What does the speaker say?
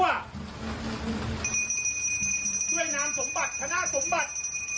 นามสมบัติคณะสมบัติ